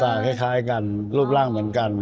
คล้ายกันรูปร่างเหมือนกัน